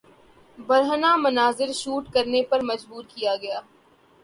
برہنہ مناظر شوٹ کرنے پر مجبور کیا گیا